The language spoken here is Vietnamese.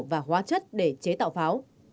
và hóa chất để chế tạo pháo